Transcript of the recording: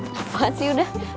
lepas sih udah